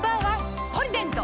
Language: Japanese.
「ポリデント」